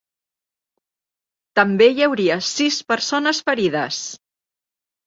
També hi hauria sis persones ferides.